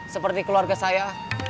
seperti keluarga saya